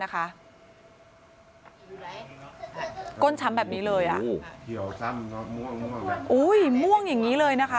ก้นช้ำแบบนี้เลยม่วงอย่างนี้เลยนะคะ